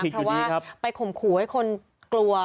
เพราะว่าไปข่มขู่ให้คนกลัว